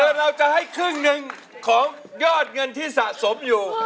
เราจะให้ครึ่งหนึ่งของยอดเงินที่สะสมอยู่